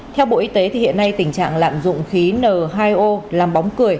theo bộ y tế hiện nay tình trạng lạm dụng khí n hai o làm bóng cười